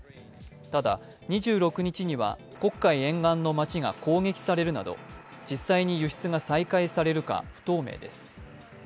ただ２６日には黒海沿岸の街が攻撃されるなど、実際に輸出が再開されるか不透明です。